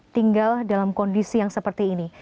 tinggal dalam kondisi yang seperti ini